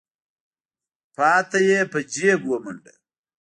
پاتې يې په جېب ومنډه.